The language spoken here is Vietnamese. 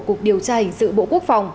cục điều tra hình sự bộ quốc phòng